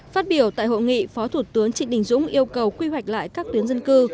phát biểu tại hội nghị phó thủ tướng trịnh đình dũng yêu cầu quy hoạch lại các tuyến dân cư